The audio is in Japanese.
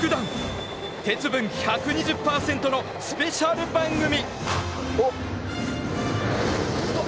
鉄分１２０％のスペシャル番組！